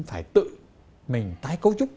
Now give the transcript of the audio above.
phải tự mình tái cấu trúc